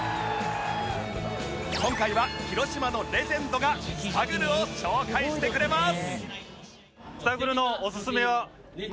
今回は広島のレジェンドがスタグルを紹介してくれます